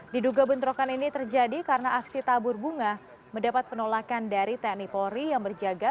diduga bentrokan ini terjadi karena aksi tabur bunga mendapat penolakan dari tni polri yang berjaga